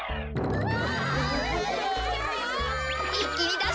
うわ！